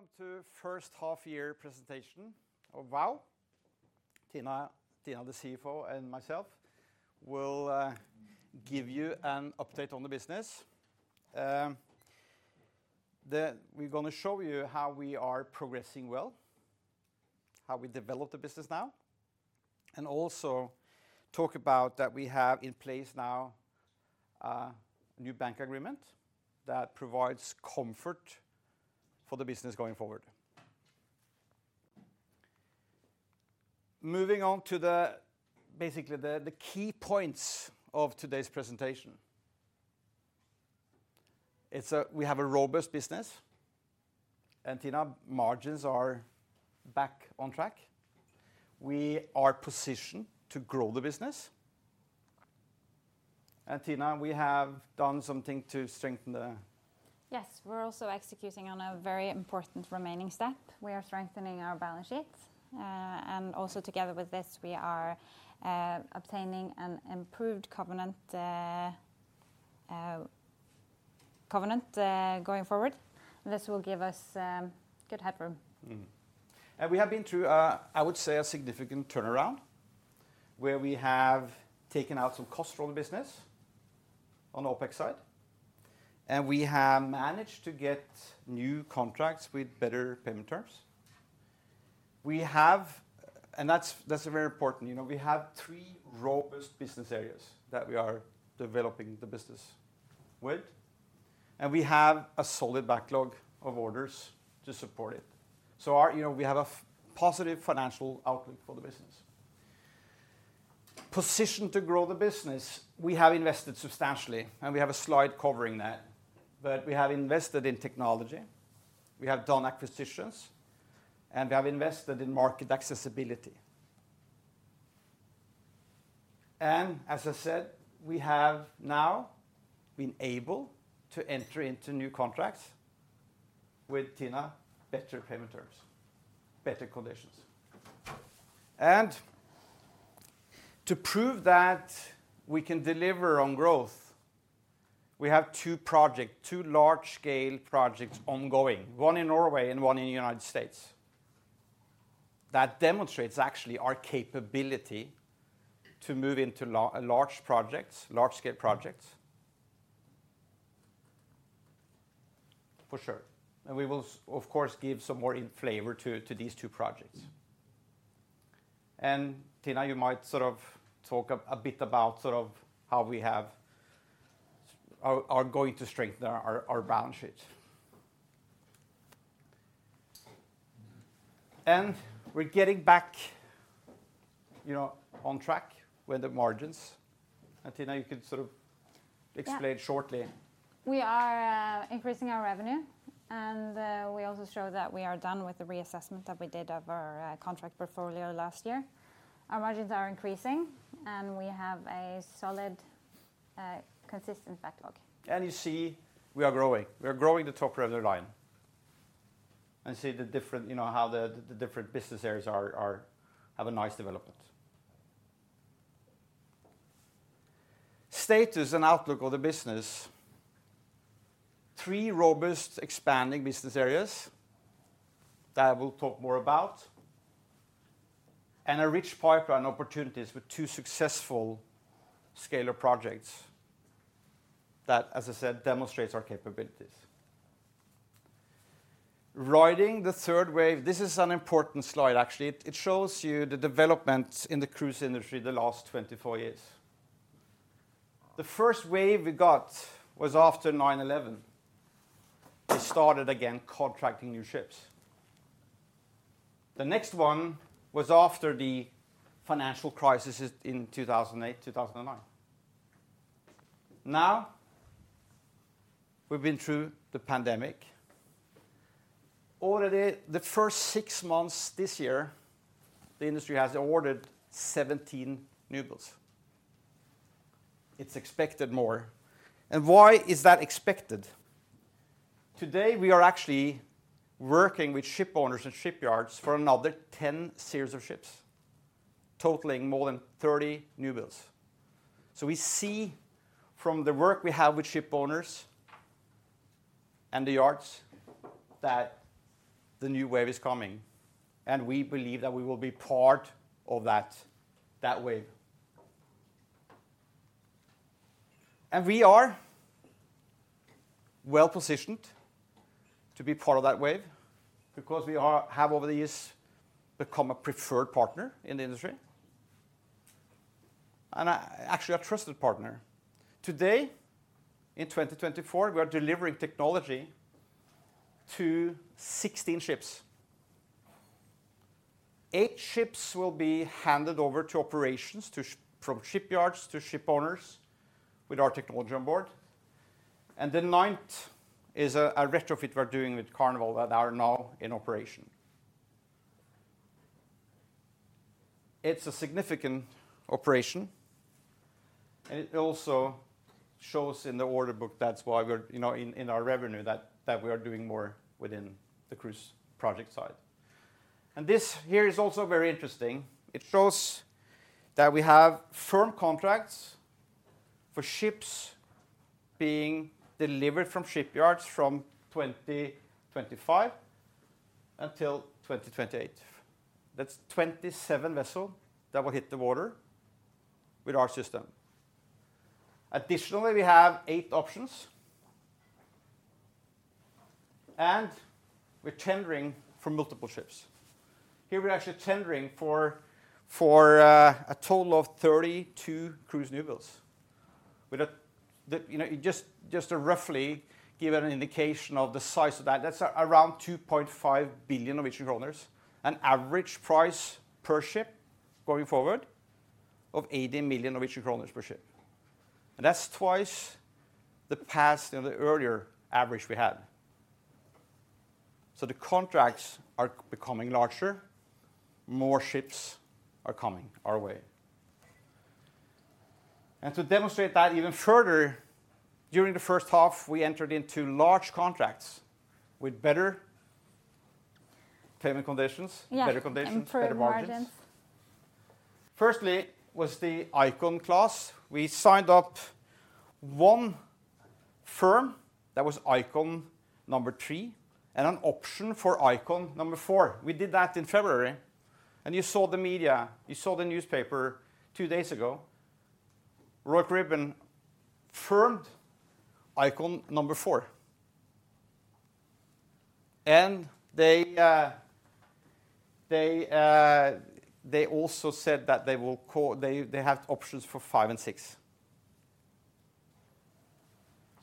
Welcome to first half year presentation of Vow. Tina, the CFO, and myself will give you an update on the business. We're gonna show you how we are progressing well, how we develop the business now, and also talk about that we have in place now a new bank agreement that provides comfort for the business going forward. Moving on to basically the key points of today's presentation. It's we have a robust business, and Tina, margins are back on track. We are positioned to grow the business. And Tina, we have done something to strengthen the- Yes, we're also executing on a very important remaining step. We are strengthening our balance sheet. And also together with this, we are obtaining an improved covenant going forward. This will give us good headroom. Mm-hmm. We have been through a, I would say, a significant turnaround, where we have taken out some cost from the business on the OpEx side, and we have managed to get new contracts with better payment terms. And that's, that's a very important, you know, we have three robust business areas that we are developing the business with, and we have a solid backlog of orders to support it. So our, you know, we have a fairly positive financial outlook for the business. Positioned to grow the business, we have invested substantially, and we have a slide covering that. But we have invested in technology, we have done acquisitions, and we have invested in market accessibility. And as I said, we have now been able to enter into new contracts with better payment terms, better conditions. To prove that we can deliver on growth, we have two project, two large-scale projects ongoing, one in Norway and one in the United States. That demonstrates actually our capability to move into large projects, large-scale projects. For sure, and we will of course give some more in flavor to these two projects. Tina, you might sort of talk a bit about sort of how we are going to strengthen our balance sheet. We're getting back, you know, on track with the margins. Tina, you can sort of- Yeah... explain shortly. We are increasing our revenue, and we also show that we are done with the reassessment that we did of our contract portfolio last year. Our margins are increasing, and we have a solid consistent backlog. You see, we are growing. We are growing the top revenue line. See the different, you know, how the different business areas are, have a nice development. Status and outlook of the business. Three robust, expanding business areas that we'll talk more about, and a rich pipeline opportunities with two successful scalar projects that, as I said, demonstrates our capabilities. Riding the third wave, this is an important slide, actually. It shows you the development in the cruise industry the last 24 years. The first wave we got was after 9/11. We started again contracting new ships. The next one was after the financial crisis in 2008, 2009. Now, we've been through the pandemic. Already, the first six months this year, the industry has ordered 17 new builds. It's expected more. Why is that expected? Today, we are actually working with shipowners and shipyards for another ten series of ships, totaling more than thirty new builds, so we see from the work we have with shipowners and the yards that the new wave is coming, and we believe that we will be part of that wave. We are well-positioned to be part of that wave because we have over the years become a preferred partner in the industry, and actually a trusted partner. Today, in 2024, we are delivering technology to sixteen ships. Eight ships will be handed over to operations from shipyards to shipowners with our technology on board, and the ninth is a retrofit we're doing with Carnival that are now in operation. It's a significant operation, and it also shows in the order book. That's why we're, you know, in our revenue, that we are doing more within the cruise project side. And this here is also very interesting. It shows that we have firm contracts for ships being delivered from shipyards from 2025 until 2028. That's twenty-seven vessels that will hit the water with our system. Additionally, we have eight options, and we're tendering for multiple ships. Here, we're actually tendering for a total of thirty-two cruise newbuilds. With the, you know, just to roughly give an indication of the size of that, that's around 2.5 billion Norwegian kroner. An average price per ship going forward of 80 million Norwegian kroner per ship, and that's twice the past and the earlier average we had. So the contracts are becoming larger. More ships are coming our way. And to demonstrate that even further, during the first half, we entered into large contracts with better payment conditions, better conditions, better margins. Improved margins. Firstly, was the Icon Class. We signed up one firm, that was Icon number three, and an option for Icon number four. We did that in February, and you saw the media, you saw the newspaper two days ago. Royal Caribbean firmed Icon number four. And they also said that they will call. They have options for five and six.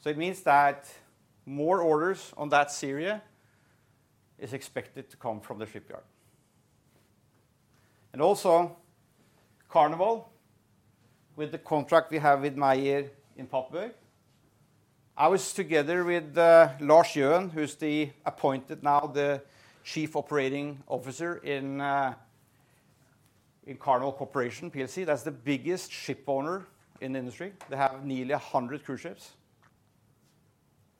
So it means that more orders on that series is expected to come from the shipyard. And also Carnival, with the contract we have with Meyer in Papenburg. I was together with Lars Ljoen, who's now appointed the Chief Operating Officer in Carnival Corporation & plc. That's the biggest ship owner in the industry. They have nearly a hundred cruise ships.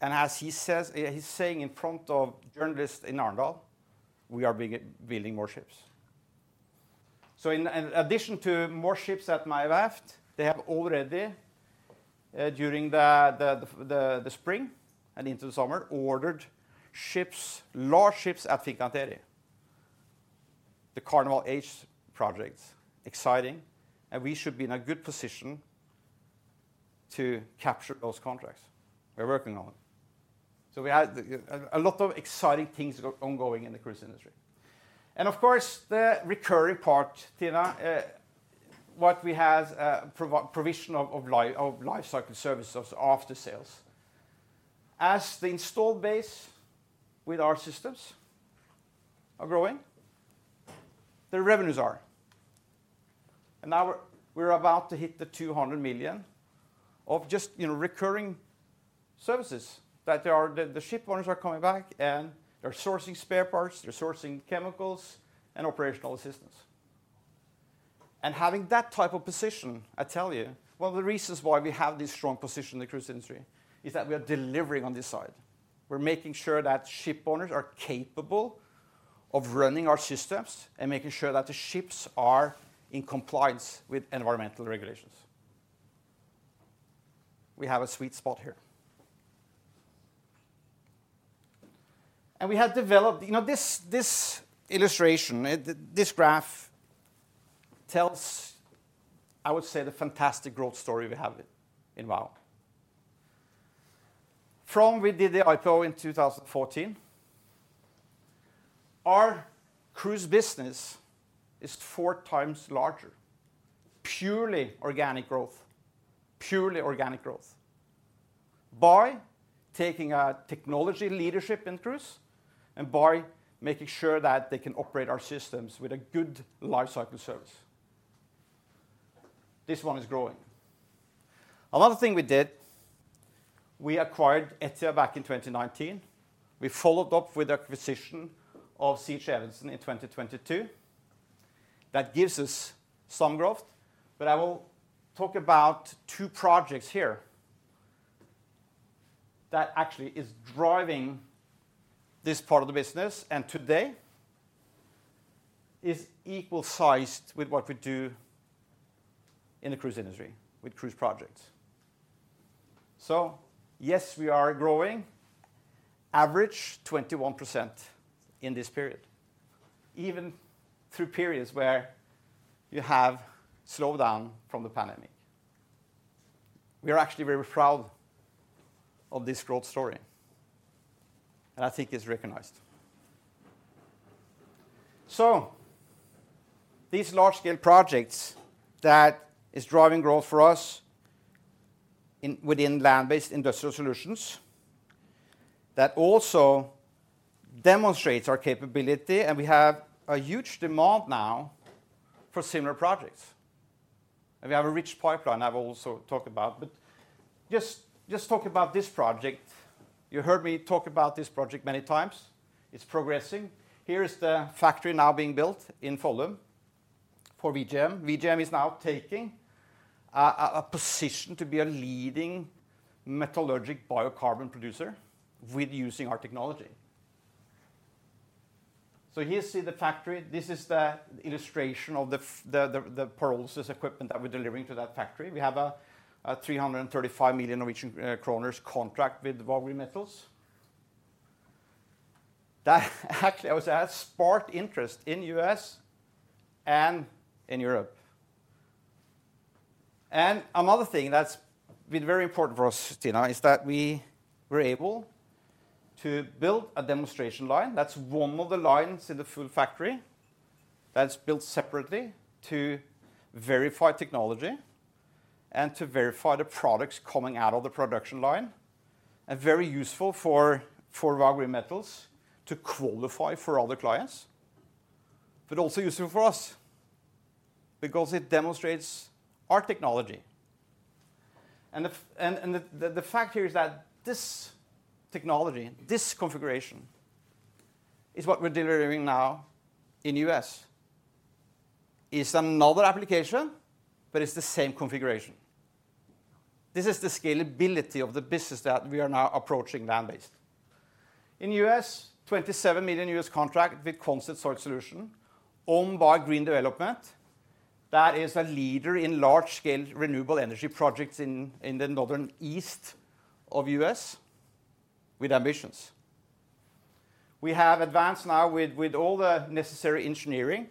And as he says, he's saying in front of journalists in Arendal, "We are building more ships." So in addition to more ships at Meyer Werft, they have already, during the spring and into the summer, ordered ships, large ships at Fincantieri. The Carnival Excel projects, exciting, and we should be in a good position to capture those contracts. We're working on it. So we have a lot of exciting things ongoing in the cruise industry. And of course, the recurring part, Tina, what we have provision of lifecycle services after sales. As the installed base with our systems are growing, the revenues are. Now we're about to hit 200 million of just, you know, recurring services. The shipowners are coming back, and they're sourcing spare parts, they're sourcing chemicals and operational assistance. Having that type of position, I tell you, one of the reasons why we have this strong position in the cruise industry, is that we are delivering on this side. We're making sure that shipowners are capable of running our systems and making sure that the ships are in compliance with environmental regulations. We have a sweet spot here. We have developed. You know, this illustration, this graph tells, I would say, the fantastic growth story we have in WOW. From we did the IPO in 2014, our cruise business is four times larger. Purely organic growth. Purely organic growth. By taking our technology leadership in cruise, and by making sure that they can operate our systems with a good lifecycle service. This one is growing. Another thing we did, we acquired ETIA back in 2019. We followed up with the acquisition of C.H. Evensen in 2022. That gives us some growth, but I will talk about two projects here that actually is driving this part of the business, and today is equal sized with what we do in the cruise industry, with cruise projects, so yes, we are growing. Average 21% in this period, even through periods where you have slowdown from the pandemic. We are actually very proud of this growth story, and I think it's recognized. So these large-scale projects that is driving growth for us within land-based industrial solutions, that also demonstrates our capability, and we have a huge demand now for similar projects. And we have a rich pipeline I've also talked about, but just talk about this project. You heard me talk about this project many times. It's progressing. Here is the factory now being built in Follum for VGM. VGM is now taking a position to be a leading metallurgical biocarbon producer with using our technology. So here you see the factory. This is the illustration of the pyrolysis equipment that we're delivering to that factory. We have a 335 million Norwegian kroner contract with Vow Green Metals. That actually, I would say, has sparked interest in US and in Europe. And another thing that's been very important for us, Tina, is that we were able to build a demonstration line. That's one of the lines in the full factory that's built separately to verify technology and to verify the products coming out of the production line, and very useful for Vow Green Metals to qualify for other clients, but also useful for us because it demonstrates our technology. And the fact here is that this technology, this configuration, is what we're delivering now in U.S. It's another application, but it's the same configuration. This is the scalability of the business that we are now approaching land-based. In U.S., $27 million contract with Concept Storage Solutions, owned by Green Development, that is a leader in large-scale renewable energy projects in the northeast of U.S., with ambitions. We have advanced now with all the necessary engineering,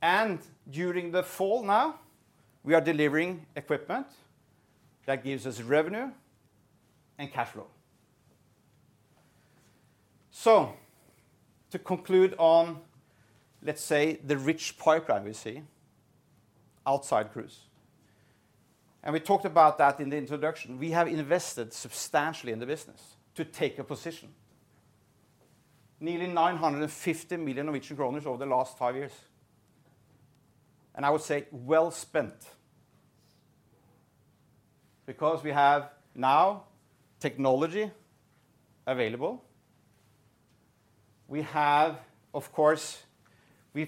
and during the fall now, we are delivering equipment that gives us revenue and cash flow. To conclude on, let's say, the rich pipeline we see outside Cruise, and we talked about that in the introduction, we have invested substantially in the business to take a position. Nearly 950 million Norwegian kroner over the last five years, and I would say well spent. Because we have now technology available. We have, of course,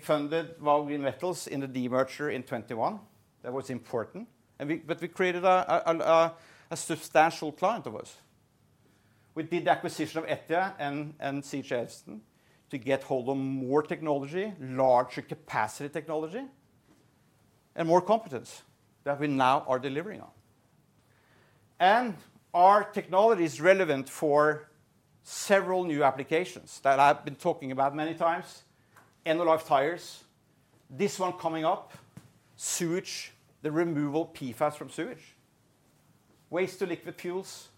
funded Vow Green Metals in the demerger in 2021. That was important, and we... But we created a substantial client of ours. We did the acquisition of ETIA and C.H. Evensen to get hold of more technology, larger capacity technology, and more competence that we now are delivering on. Our technology is relevant for several new applications that I've been talking about many times, end-of-life tires, this one coming up, sewage, the removal of PFAS from sewage, waste to liquid fuels,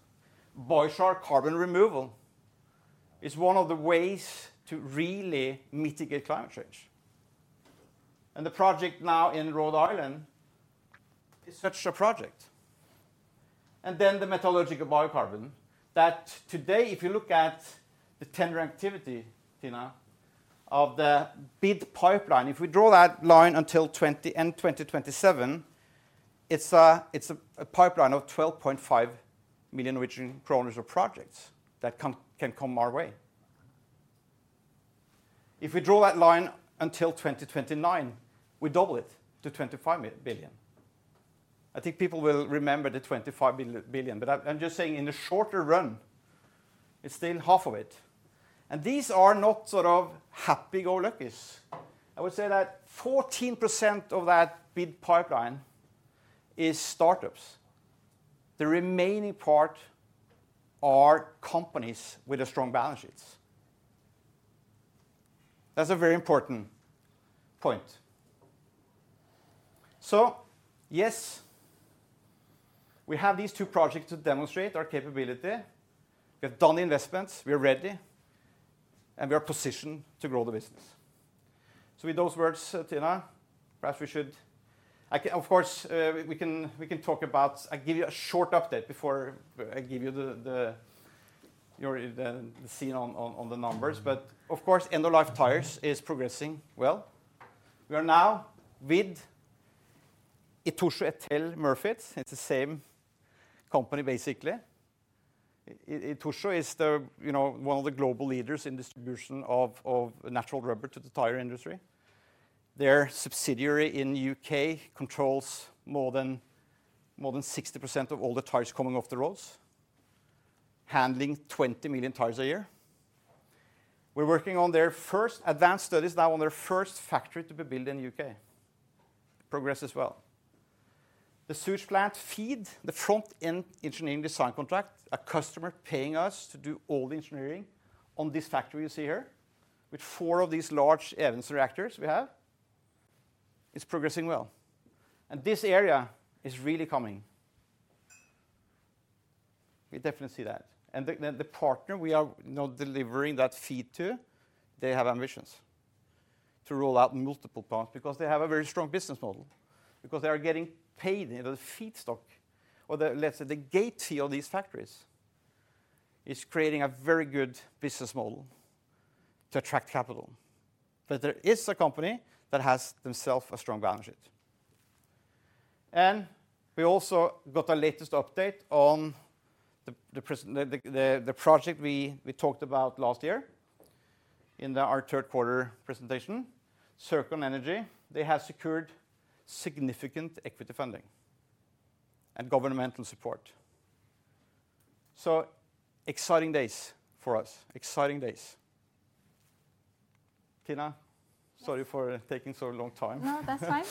biochar carbon removal is one of the ways to really mitigate climate change, and the project now in Rhode Island is such a project. Then the metallurgical biocarbon, that today, if you look at the tender activity, Tina, of the bid pipeline, if we draw that line until 2027, it's a pipeline of 12.5 million Norwegian kroner of projects that can come our way. If we draw that line until 2029, we double it to 25 billion NOK. I think people will remember the 25 billion, but I'm just saying in the shorter run, it's still half of it. These are not sort of happy-go-luckies. I would say that 14% of that bid pipeline is startups. The remaining part are companies with strong balance sheets. That's a very important point. So yes, we have these two projects to demonstrate our capability. We have done investments, we are ready, and we are positioned to grow the business. So with those words, Tina, perhaps we should. I can, of course, we can talk about. I'll give you a short update before I give you the scene on the numbers. But of course, end-of-life tires is progressing well. We are now with Itochu and Murfitts. It's the same company, basically. Itochu is the, you know, one of the global leaders in distribution of natural rubber to the tire industry. Their subsidiary in the U.K. controls more than, more than 60% of all the tires coming off the roads, handling 20 million tires a year. We're working on their first advanced studies now on their first factory to be built in the U.K. Progress as well. The sewage plant FEED, the front-end engineering design contract, a customer paying us to do all the engineering on this factory you see here, with four of these large Evensen reactors we have, is progressing well, and this area is really coming. We definitely see that, and the partner we are now delivering that FEED to, they have ambitions to roll out multiple plants because they have a very strong business model, because they are getting paid in the feedstock. Or the, let's say, the gate fee of these factories is creating a very good business model to attract capital. There is a company that has themselves a strong balance sheet. We also got the latest update on the project we talked about last year in our Q3 presentation, Circon Energy. They have secured significant equity funding and governmental support. Exciting days for us. Exciting days. Tina, sorry for taking so long time. No, that's fine.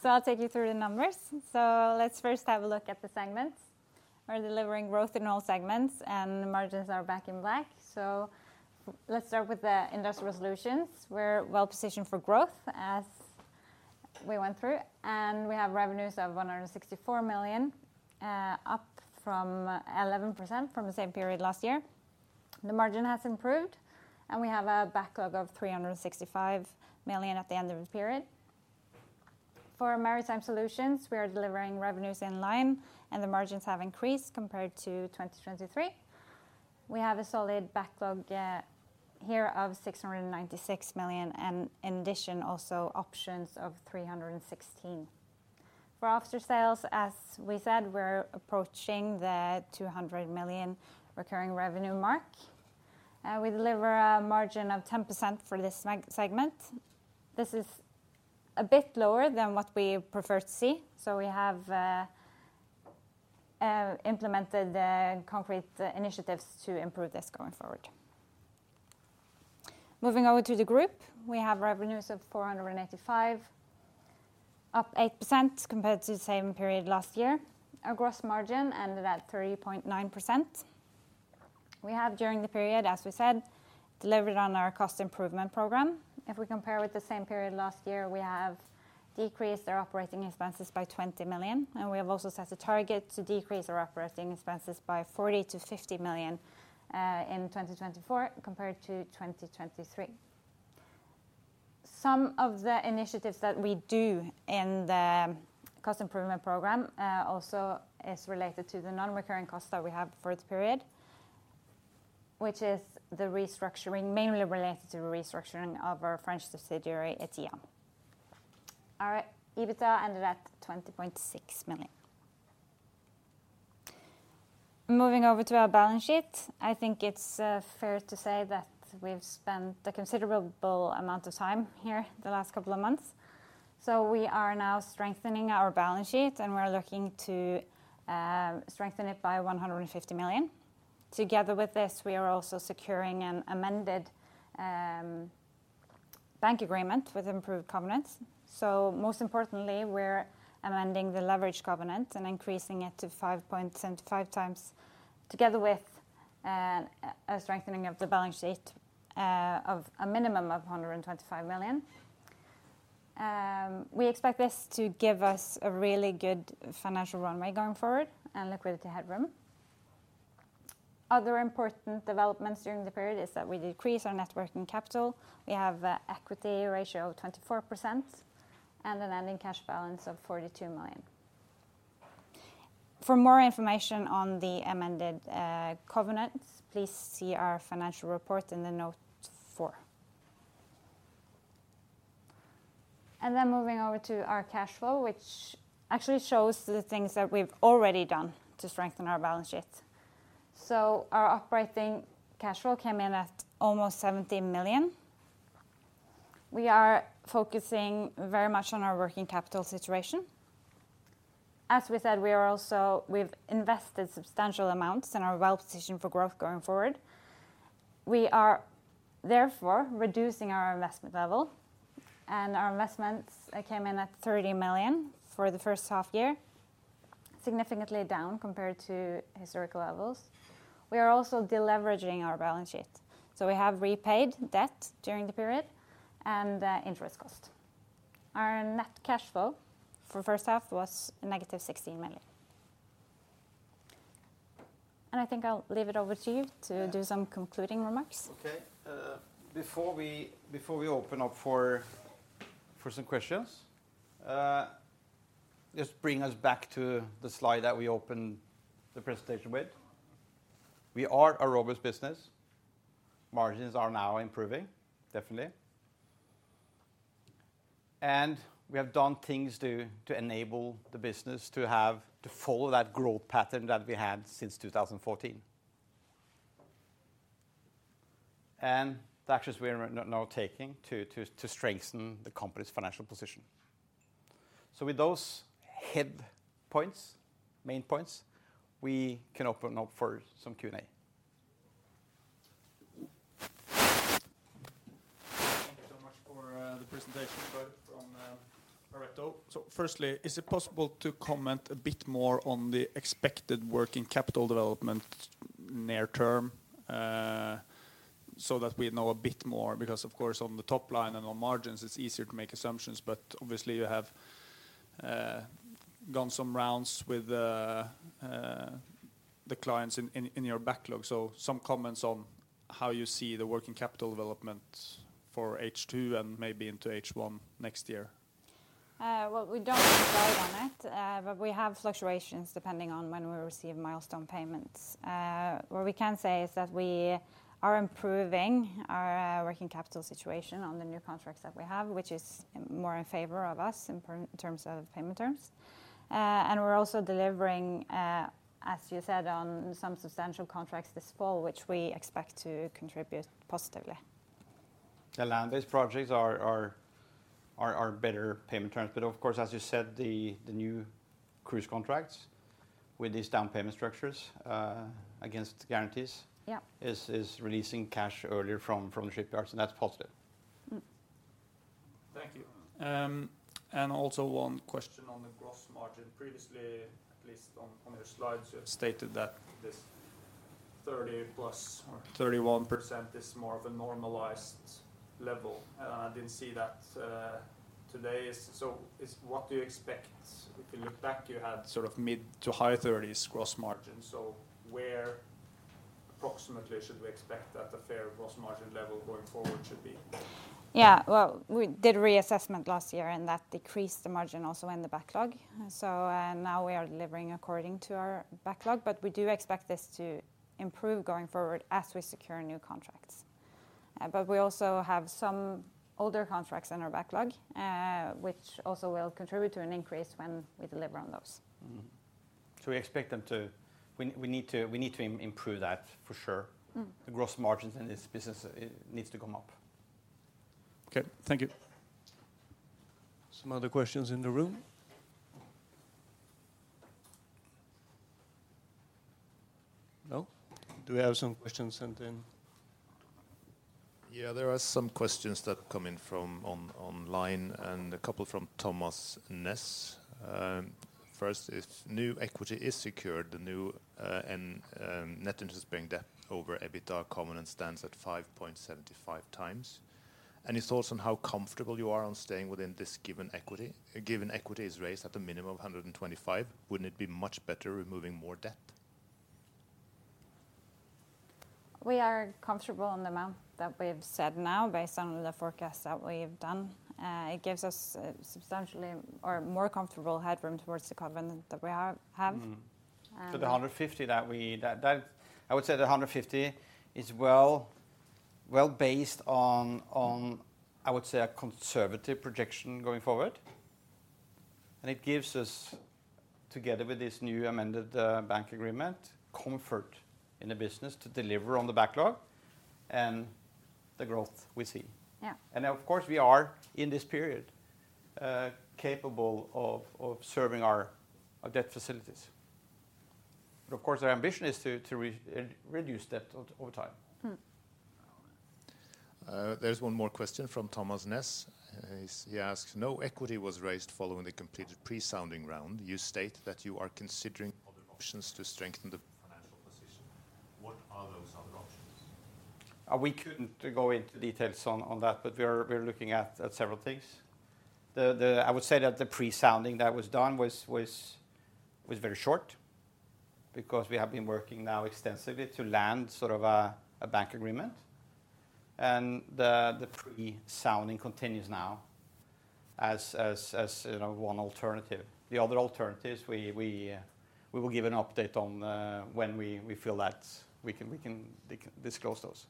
So I'll take you through the numbers. So let's first have a look at the segments. We're delivering growth in all segments, and the margins are back in black. So let's start with Industrial Solutions. We're well positioned for growth as we went through, and we have revenues of 164 million, up 11% from the same period last year. The margin has improved, and we have a backlog of 365 million at the end of the period. For Maritime Solutions, we are delivering revenues in line, and the margins have increased compared to 2023. We have a solid backlog here of 696 million, and in addition, also options of 316. For Aftersales, as we said, we're approaching the 200 million recurring revenue mark. We deliver a margin of 10% for this segment. This is a bit lower than what we prefer to see, so we have implemented the concrete initiatives to improve this going forward. Moving over to the group, we have revenues of 485 million, up 8% compared to the same period last year. Our gross margin ended at 30.9%. We have, during the period, as we said, delivered on our cost improvement program. If we compare with the same period last year, we have decreased our operating expenses by 20 million, and we have also set a target to decrease our operating expenses by 40-50 million in 2024 compared to 2023. Some of the initiatives that we do in the cost improvement program also is related to the non-recurring costs that we have for the period, which is mainly related to the restructuring of our French subsidiary, Etia. Our EBITDA ended at 20.6 million. Moving over to our balance sheet, I think it's fair to say that we've spent a considerable amount of time here the last couple of months, so we are now strengthening our balance sheet, and we're looking to strengthen it by 150 million. Together with this, we are also securing an amended bank agreement with improved covenants. So most importantly, we're amending the leverage covenant and increasing it to 5.5 times, together with a strengthening of the balance sheet of a minimum of 125 million. We expect this to give us a really good financial runway going forward and liquidity headroom. Other important developments during the period is that we decreased our net working capital. We have an equity ratio of 24% and an ending cash balance of 42 million. For more information on the amended covenants, please see our financial report in Note 4, and then moving over to our cash flow, which actually shows the things that we've already done to strengthen our balance sheet, so our operating cash flow came in at almost 70 million. We are focusing very much on our working capital situation. As we said, we are also... We've invested substantial amounts and are well positioned for growth going forward. We are therefore reducing our investment level, and our investments came in at 30 million for the first half year, significantly down compared to historical levels. We are also de-leveraging our balance sheet, so we have repaid debt during the period and interest cost. Our net cash flow for first half was a negative 16 million. And I think I'll leave it over to you to do some concluding remarks. Okay, before we open up for some questions, just bring us back to the slide that we opened the presentation with. We are a robust business. Margins are now improving, definitely. And we have done things to enable the business to have to follow that growth pattern that we had since two thousand and fourteen. And the actions we are now taking to strengthen the company's financial position. So with those head points, main points, we can open up for some Q&A. Thank you so much for the presentation, both on... All right, so firstly, is it possible to comment a bit more on the expected working capital development near term? So that we know a bit more, because, of course, on the top line and on margins, it's easier to make assumptions, but obviously you have gone some rounds with the clients in your backlog, so some comments on how you see the working capital development for H2 and maybe into H1 next year. Well, we don't decide on it, but we have fluctuations depending on when we receive milestone payments. What we can say is that we are improving our working capital situation on the new contracts that we have, which is more in favor of us in terms of payment terms. And we're also delivering, as you said, on some substantial contracts this fall, which we expect to contribute positively.... The land-based projects are better payment terms. But of course, as you said, the new cruise contracts with these down payment structures against guarantees- Yeah is releasing cash earlier from the shipyards, and that's positive. Mm. Thank you. And also one question on the gross margin. Previously, at least on your slides, you have stated that this 30-plus or 31% is more of a normalized level, and I didn't see that, today. So, what do you expect? If you look back, you had sort of mid- to high-30s gross margin. So where approximately should we expect that the fair gross margin level going forward should be? Yeah, well, we did a reassessment last year, and that decreased the margin also in the backlog, so now we are delivering according to our backlog, but we do expect this to improve going forward as we secure new contracts, but we also have some older contracts in our backlog, which also will contribute to an increase when we deliver on those. Mm-hmm, so we expect them to... We need to improve that for sure. Mm. The gross margins in this business, it needs to come up. Okay. Thank you. Some other questions in the room? No? Do we have some questions sent in? Yeah, there are some questions that come in from online, and a couple from Thomas Næss. First, if new equity is secured, net interest-bearing debt over EBITDA covenant stands at 5.75 times. Any thoughts on how comfortable you are on staying within this given equity? Given equity is raised at a minimum of 125, wouldn't it be much better removing more debt? We are comfortable in the amount that we've said now, based on the forecast that we've done. It gives us substantially or more comfortable headroom towards the covenant that we have. Mm-hmm. Um- I would say the 150 is well based on, I would say, a conservative projection going forward. It gives us, together with this new amended bank agreement, comfort in the business to deliver on the backlog and the growth we see. Yeah. And of course, we are in this period capable of serving our debt facilities. But of course, our ambition is to reduce debt over time. Mm. There's one more question from Thomas Næss. He asks: No equity was raised following the completed pre-funding round. You state that you are considering other options to strengthen the financial position. What are those other options? We couldn't go into details on that, but we are looking at several things. I would say that the pre-sounding that was done was very short because we have been working now extensively to land sort of a bank agreement, and the pre-sounding continues now as you know one alternative. The other alternatives, we will give an update on when we feel that we can disclose those.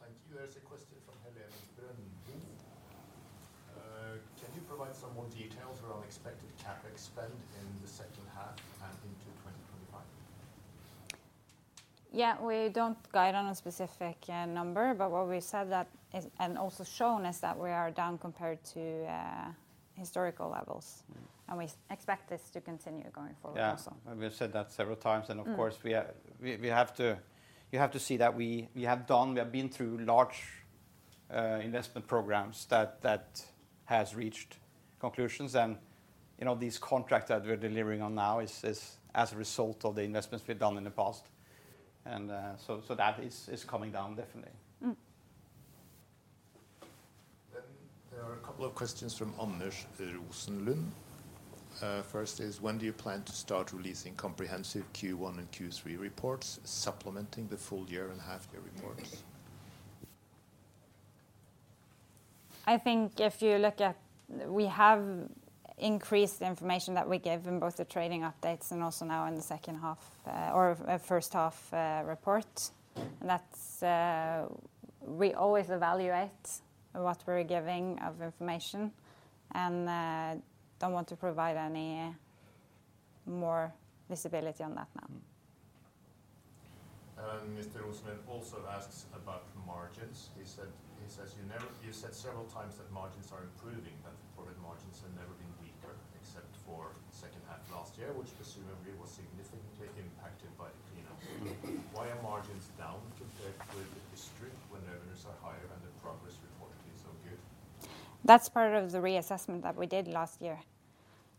Thank you. There's a question from Helene Kvilhaug Brøvig. Can you provide some more details around expected CapEx spend in the second half and into twenty twenty-five? Yeah, we don't guide on a specific number, but what we said that is, and also shown, is that we are down compared to historical levels. Mm-hmm. We expect this to continue going forward also. Yeah, and we've said that several times. Mm. Of course, you have to see that we have done, we have been through large investment programs that has reached conclusions. You know, these contracts that we're delivering on now is as a result of the investments we've done in the past, so that is coming down, definitely. Mm. Then there are a couple of questions from Anders Rosenlund. First is: When do you plan to start releasing comprehensive Q1 and Q3 reports, supplementing the full year and half year reports? I think if you look at. We have increased the information that we give in both the trading updates and also now in the second half, or, first half, report. And that's, we always evaluate what we're giving of information and, don't want to provide any more visibility on that now. Mm. Mr. Rosenlund also asks about margins. He said, he says, "You never, you've said several times that margins are improving, but product margins have never been weaker, except for second half last year, which presumably was significantly impacted by the cleanup. Why are margins down compared with the history when revenues are higher and the progress reported is so good? That's part of the reassessment that we did last year.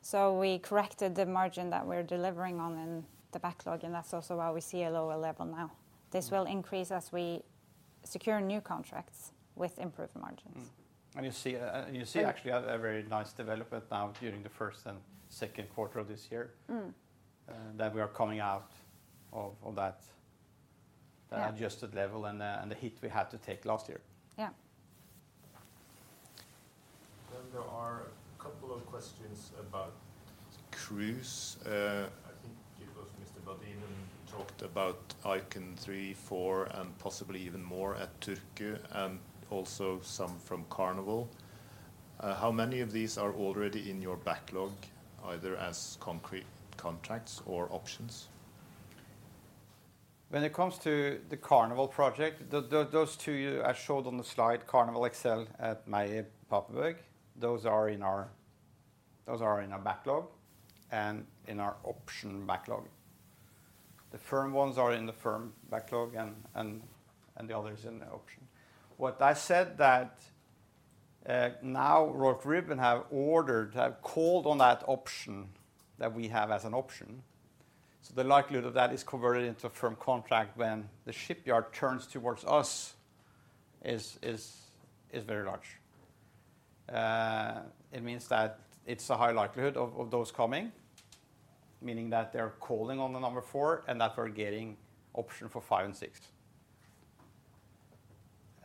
So we corrected the margin that we're delivering on in the backlog, and that's also why we see a lower level now. Mm. This will increase as we secure new contracts with improved margins. You see actually a very nice development now during the first and Q2 of this year- Mm that we are coming out of that- Yeah adjusted level and the hit we had to take last year. Yeah. Then there are a couple of questions about cruise. I think it was Mr. Badin who talked about Icon three, four, and possibly even more at Turku, and also some from Carnival. How many of these are already in your backlog, either as concrete contracts or options? When it comes to the Carnival project, those two I showed on the slide, Carnival Excel at Meyer Papenburg, those are in our backlog and in our option backlog. The firm ones are in the firm backlog and the others in the option. What I said that now Royal Caribbean have ordered, have called on that option that we have as an option. So the likelihood of that is converted into a firm contract when the shipyard turns towards us is very large. It means that it's a high likelihood of those coming, meaning that they're calling on the number four, and that we're getting option for five and six.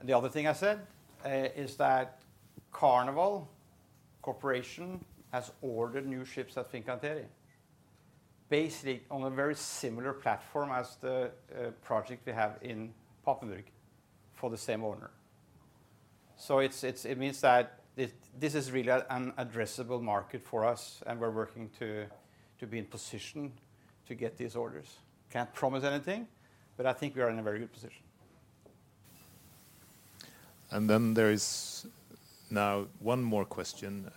The other thing I said is that Carnival Corporation has ordered new ships at Fincantieri, basically on a very similar platform as the project we have in Papenburg for the same owner. So it means that this is really an addressable market for us, and we're working to be in position to get these orders. Can't promise anything, but I think we are in a very good position. And then there is now one more question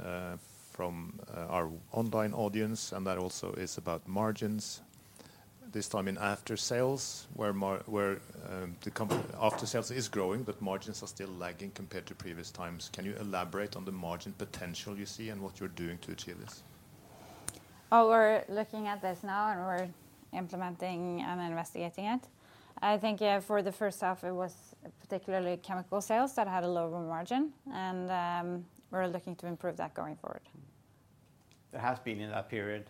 from our online audience, and that also is about margins, this time in aftersales, where the company... Aftersales is growing, but margins are still lagging compared to previous times. Can you elaborate on the margin potential you see and what you're doing to achieve this? Oh, we're looking at this now, and we're implementing and investigating it. I think, yeah, for the first half, it was particularly chemical sales that had a lower margin, and we're looking to improve that going forward. There has been, in that period,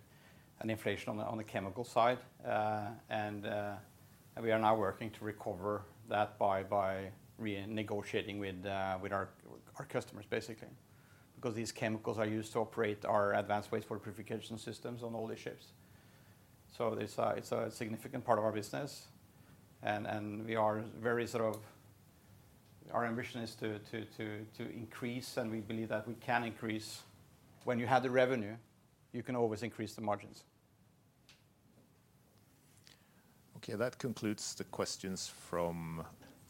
an inflation on the chemical side. And we are now working to recover that by re-negotiating with our customers, basically, because these chemicals are used to operate our advanced wastewater purification systems on all the ships. So it's a significant part of our business, and we are very sort of... Our ambition is to increase, and we believe that we can increase. When you have the revenue, you can always increase the margins. Okay, that concludes the questions from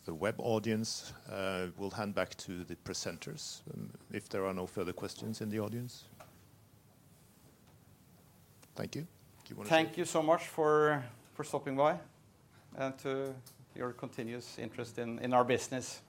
the web audience. We'll hand back to the presenters, and if there are no further questions in the audience? Thank you. Do you wanna say? Thank you so much for stopping by and to your continuous interest in our business.